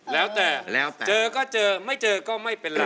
แล้วแต่แล้วแต่เจอก็เจอไม่เจอก็ไม่เป็นไร